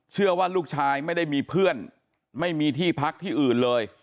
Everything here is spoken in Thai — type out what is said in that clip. เชื่อว่าลูกชายไม่ได้มีเพื่อนไม่มีที่พักที่อื่นเลย